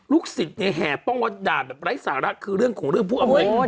ลูกศิษย์ในแห่ป้องวัตดาลแบบไร้สาระคือเรื่องของเรื่องพุทธอัมเวร